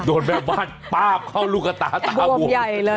โดนแม่บ้านป้าบเข้าลูกตาตาบวมบวมใหญ่เลย